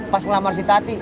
pas ngelamar si tati